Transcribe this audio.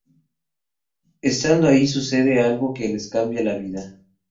Estando ahí sucede algo que les cambia la vida.